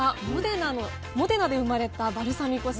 モデナで生まれたバルサミコ酢。